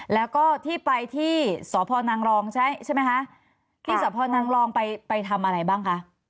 แล้วก็ที่ไปที่สพนางรองใช่ไหมคะที่สพนางรองไปไปทำอะไรบ้างคะ